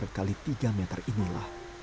berkali tiga meter inilah